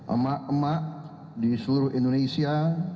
emak emak di seluruh indonesia